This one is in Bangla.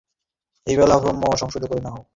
এইবেলা ভ্রম সংশোধন করে নাও।